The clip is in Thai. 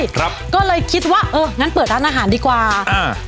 ครับก็เลยคิดว่าเอองั้นเปิดร้านอาหารดีกว่าอ่า